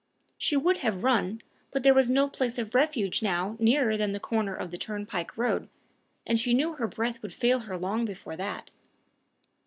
She would have run, but there was no place of refuge now nearer than the corner of the turnpike road, and she knew her breath would fail her long before that.